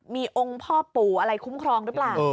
มีองค์พ่อปู่อะไรคุ้มครองหรือเปล่า